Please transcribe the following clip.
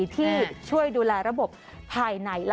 ๔ที่ช่วยดูแลระบบภายในลำไส้